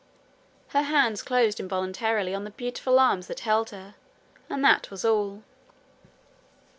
Her hands closed involuntarily on the beautiful arms that held her, and that was all.